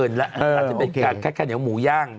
ต้องตามไปกว่าเกินแล้วอาจจะเป็นขั้นอย่างหมูย่าง